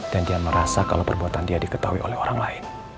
dan dia merasa kalau perbuatan dia diketahui oleh orang lain